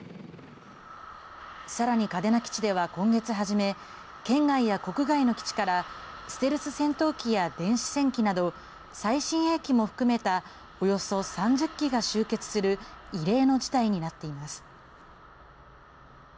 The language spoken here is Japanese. さらに、嘉手納基地では今月初め県外や国外の基地からステルス戦闘機や電子戦機など最新鋭機も含めたおよそ３０機が集結する異例の事態になっています。